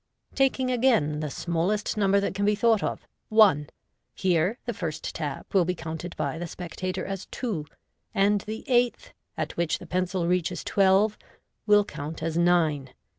Taking again the smallest number that can be thought of, " one," here the first tap will be counted by the spectator as " two," and the eighth," at which the pencil reaches twelve, will count as "nine."